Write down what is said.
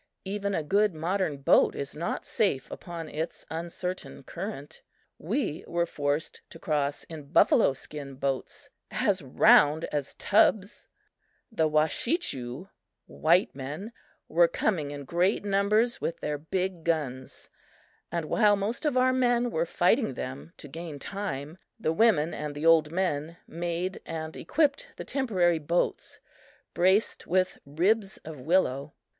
Even a good modern boat is not safe upon its uncertain current. We were forced to cross in buffalo skin boats as round as tubs! The Washechu (white men) were coming in great numbers with their big guns, and while most of our men were fighting them to gain time, the women and the old men made and equipped the temporary boats, braced with ribs of willow.